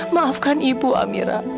maafkan ibu ameran